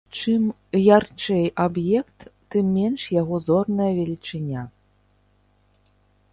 Чым ярчэй аб'ект, тым менш яго зорная велічыня.